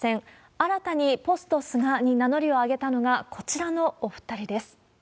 新たにポスト菅に名乗りを上げたのが、こちらのお２人です。